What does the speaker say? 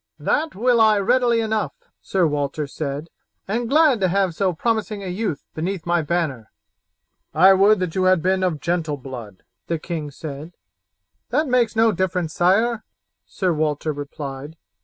"That will I readily enough," Sir Walter said, "and glad to have so promising a youth beneath my banner." "I would that you had been of gentle blood," the king said. "That makes no difference, sire," Sir Walter replied.